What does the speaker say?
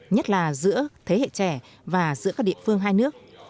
nhất là giữa thế hệ trẻ và giữa các địa phương hai nước